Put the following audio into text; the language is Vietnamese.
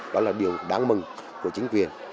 đó là điều đáng mừng của chính quyền